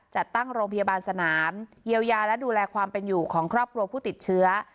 จัดตั้งโรงพยาบาลสนามเยียวยาและดูแลความเป็นอยู่ของครอบครัวผู้ติดเชื้อ